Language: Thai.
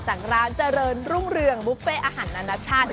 จากร้านเจริญรุ่งเรืองบุฟเฟ่อาหารนานาชาติ